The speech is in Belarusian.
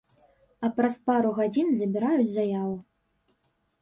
А праз пару гадзін забіраюць заяву.